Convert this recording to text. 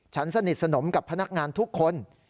สนิทสนมกับพนักงานทุกคน